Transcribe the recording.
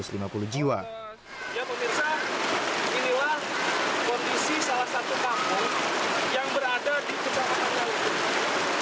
ya pak mirsa inilah kondisi salah satu kampung yang berada di kecamatan nyalindung